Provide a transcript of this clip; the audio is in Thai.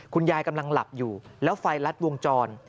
คุณยายกำลังหลับอยู่แล้วไฟลัดวงจร